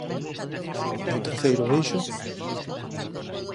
E o terceiro eixo?